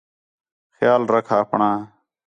خیال رکھ آپݨاں